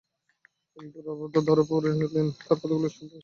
কিন্তু রাবাদা ধরা পড়ে গেলেন তাঁর কথাগুলো স্টাম্প মাইকে শোনা যাওয়ায়।